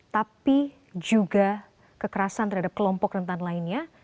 tapi juga kekerasan terhadap kelompok rentan lainnya